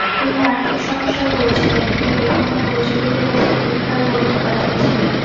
তিনি আর্থিক সমস্যায় পড়েছিলেন এবং বিভিন্ন পরিচিতদের কাছে ভিক্ষার কবিতা পাঠিয়েছিলেন।